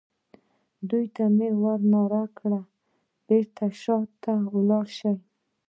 دوی ته مې ور نارې کړې: بېرته شا ته ولاړ شئ.